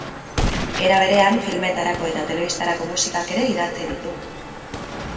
Era berean, filmetarako eta telebistarako musikak ere idatzi ditu.